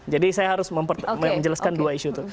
jadi saya harus menjelaskan dua isu itu